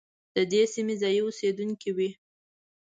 د دې سیمې ځايي اوسېدونکي وي.